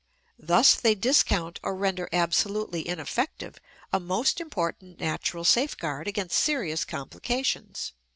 Thus they discount or render absolutely ineffective a most important natural safeguard against serious complications.